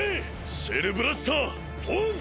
シェルブラスターオン！